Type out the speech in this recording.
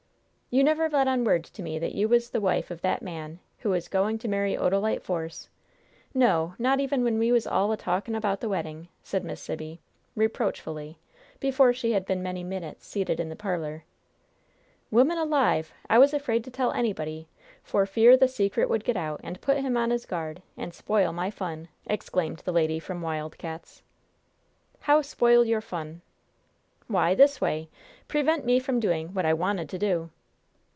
"You never let on a word to me that you was the wife of that man who was going to marry Odalite Force no, not even when we was all a talking about the wedding!" said Miss Sibby, reproachfully, before she had been many minutes seated in the parlor. "Woman alive, I was afraid to tell anybody, for fear the secret would get out, and put him on his guard, and spoil my fun!" exclaimed the lady from Wild Cats'. "How spoil your fun?" "Why, this way prevent me from doing what I wanted to do."